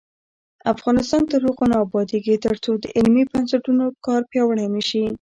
افغانستان تر هغو نه ابادیږي، ترڅو د علمي بنسټونو کار پیاوړی نشي.